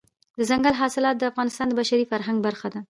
دځنګل حاصلات د افغانستان د بشري فرهنګ برخه ده.